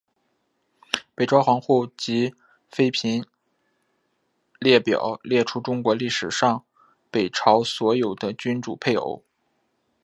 北朝皇后及妃嫔列表列出中国历史上北朝所有的君主配偶。